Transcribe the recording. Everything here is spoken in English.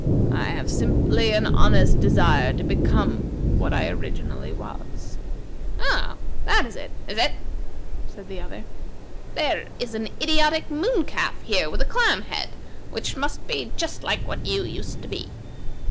I have simply an honest desire to become what I originally was." "Oh! that is it, is it?" said the other. "There is an idiotic moon calf here with a clam head, which must be just like what you used to be."